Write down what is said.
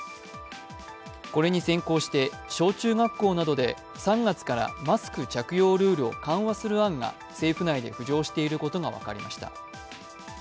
これに先行して、小中学校などで３月からマスク着用ルールを緩和する案が政府内で浮上していることが分かりました。